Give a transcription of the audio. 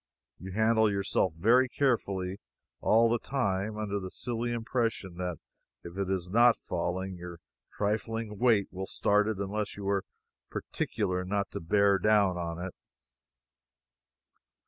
You handle yourself very carefully, all the time, under the silly impression that if it is not falling, your trifling weight will start it unless you are particular not to "bear down" on it.